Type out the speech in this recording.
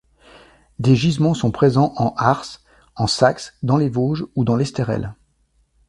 Des gisements sont présents en Harz, en Saxe, dans les Vosges ou dans l'Esterel.